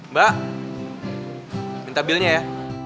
mbak minta bilnya ya